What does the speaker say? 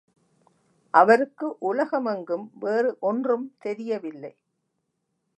அவருக்கு உலகம் எங்கும் வேறு ஒன்றும் தெரியவில்லை.